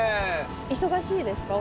忙しいですか？